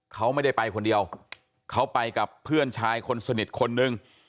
เขาไม่ได้ไปคนเดียวเขาไปกับเพื่อนชายคนสนิทคนนึง